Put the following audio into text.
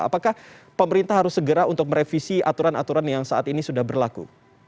apakah pemerintah harus segera untuk merevisi aturan aturan yang saat ini sudah berlaku